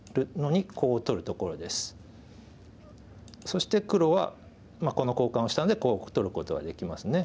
そして黒はこの交換をしたのでコウを取ることができますね。